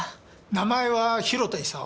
名前は広田功